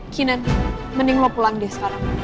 kinan mending lo pulang deh sekarang